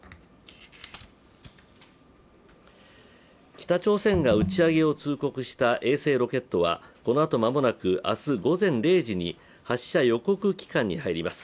北朝鮮が打ち上げを通告した衛星ロケットはこのあと間もなく明日午前０時に発射予告期間に入ります。